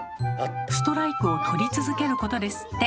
ストライクを取り続けることですって。